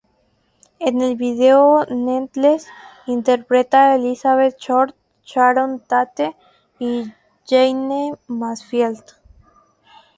En el vídeo, Needles interpreta a Elizabeth Short, Sharon Tate y Jayne Mansfield.